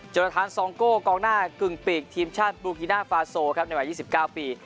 จนทานซองโก้กองหน้ากึ่งปีกทีมชาติบรูกิน่าฟาโซครับในวัย๒๙ปี